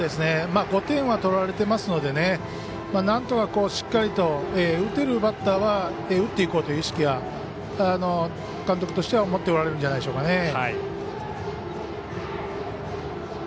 ５点は取られてますのでなんとか、しっかりと打てるバッターは打っていこうという意識が監督としては持っておられるんじゃないでしょうかね。